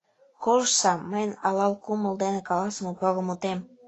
— Колыштса мыйын алал кумыл дене каласыме поро мутем!